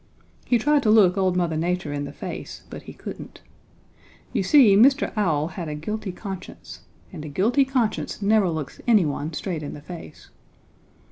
He tried to look old Mother Nature in the face, but he couldn't. You see, Mr. Owl had a guilty conscience and a guilty conscience never looks anyone straight in the face.